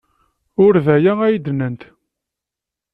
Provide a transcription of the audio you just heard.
Ur d aya ay d-nnant.